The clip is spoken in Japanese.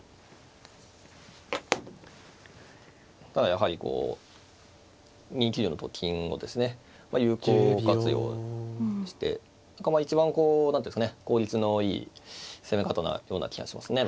ただやはりこう２九のと金をですね有効活用して一番こう何ていうんですかね効率のいい攻め方なような気がしますね。